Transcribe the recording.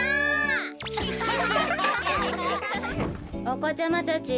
おこちゃまたち！